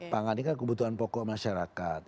pangan ini kan kebutuhan pokok masyarakat